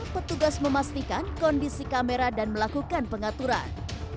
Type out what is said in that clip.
petugas memastikan kondisi kamera dan melakukan pengaturan